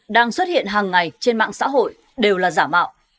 đang xuất hiện hàng ngày trên mạng xã hội đều là giả mạo